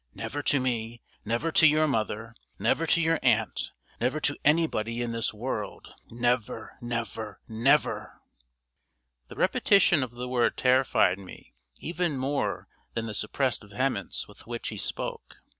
"Never to me, never to your mother, never to your aunt, never to anybody in this world! Never never never!" The repetition of the word terrified me even more than the suppressed vehemence with which he spoke.